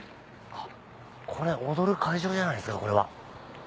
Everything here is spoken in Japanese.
これ踊る会場じゃないですか？